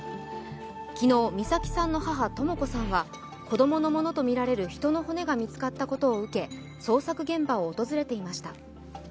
昨日、美咲さんの母・とも子さんは人の骨が見つかったことを受け、捜索現場を訪れていました。